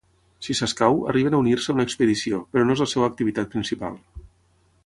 Si s'escau, arriben a unir-se a una expedició, però no és la seva activitat principal.